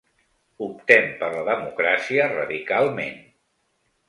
Optem per la democràcia radicalment.